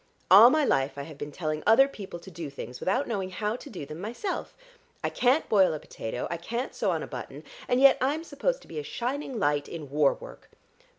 All my life I have been telling other people to do things, without knowing how to do them myself. I can't boil a potato, I can't sew on a button, and yet I'm supposed to be a shining light in war work.